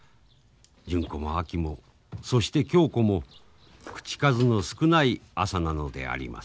純子もあきもそして恭子も口数の少ない朝なのであります。